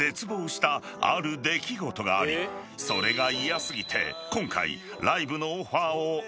［それが嫌過ぎて］